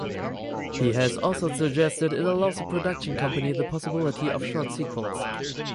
He has also suggested it allows the production company the possibility of short sequels.